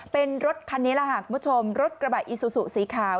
เป็นรถคันนี้แหละค่ะคุณผู้ชมรถกระบะอีซูซูสีขาว